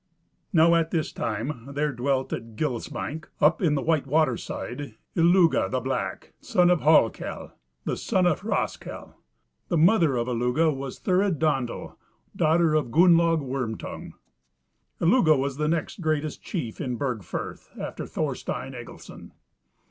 Now at this time there dwelt at Gilsbank, up in White water side, Illugi the Black, son of Hallkel, the son of Hrosskel. The mother of Illugi was Thurid Dandle, daughter of Gunnlaug Worm tongue. Illugi was the next greatest chief in Burg firth after Thorstein Egilson.